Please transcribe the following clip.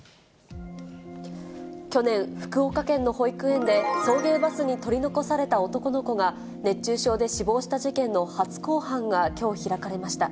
去年、福岡県の保育園で送迎バスに取り残された男の子が熱中症で死亡した事件の初公判がきょう開かれました。